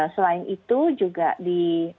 selain itu juga di